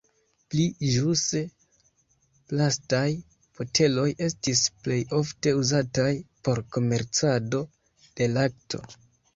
Pli ĵuse, plastaj boteloj estis plej ofte uzataj por komercado de lakto.